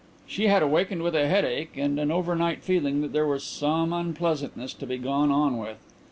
She had awakened with a headache and an overnight feeling that there was some unpleasantness to be gone on with.